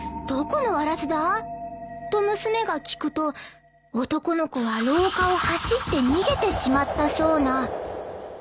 どこのわらすだ？と娘が聞くと男の子は廊下を走って逃げてしまったそうな。